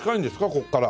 ここから。